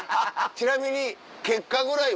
ちなみに。